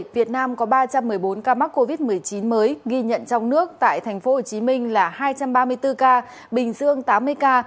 việt nam có ba trăm một mươi bốn ca mắc covid một mươi chín mới ghi nhận trong nước tại tp hcm là hai trăm ba mươi bốn ca bình dương tám mươi ca